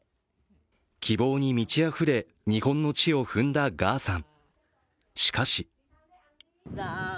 希望に満ちあふれ、日本の地を踏んだガーさん。